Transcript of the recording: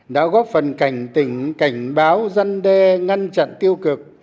đã góp phần cảnh tỉnh cảnh báo răn đe ngăn chặn tiêu diệt